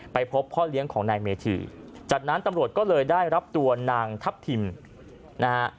พบพ่อเลี้ยงของนายเมธีจากนั้นตำรวจก็เลยได้รับตัวนางทัพทิมนะฮะ